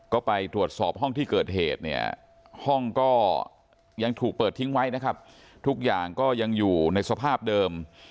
ก็ไปตรวจสอบห้องที่เกิดเหตุเนี่ยห้องก็ยังถูกเปิดทิ้งไว้นะครับทุกอย่างก็ยังอยู่ในสภาพเดิม